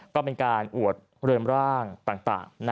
ก็เป็นการอวดเริมร่างต่าง